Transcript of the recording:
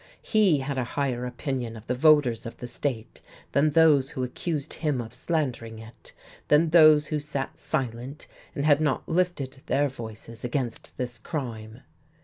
He had a higher opinion of the voters of the state than those who accused him of slandering it, than those who sat silent and had not lifted their voices against this crime.